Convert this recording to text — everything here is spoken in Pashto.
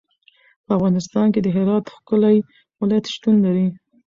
په افغانستان کې د هرات ښکلی ولایت شتون لري.